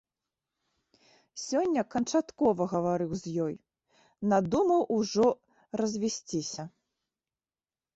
Сёння канчаткова гаварыў з ёй, надумаў ужо развесціся.